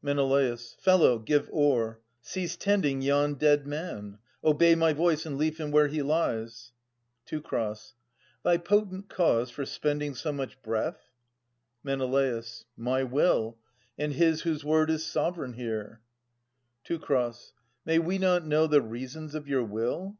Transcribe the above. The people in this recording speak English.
Menelaus. Fellow, give o'er. Cease tending yon dead man ! 'Obey my voice, and leave him where he lies. Teu. Thy potent cause for spending so much breath ? Men. My will, and his whose word is sovereign here. Teu. May we not know the reasons of your will